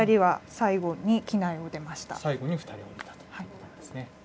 最後に機内を出たということですね。